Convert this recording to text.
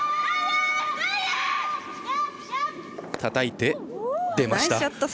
たたいて、出ました。